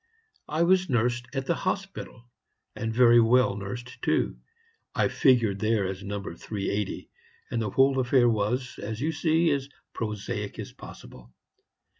I was nursed at the hospital, and very well nursed too; I figured there as 'Number 380,' and the whole affair was, as you see, as prosaic as possible.